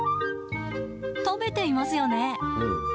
食べていますよね。